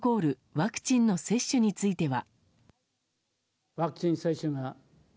ワクチンの接種については。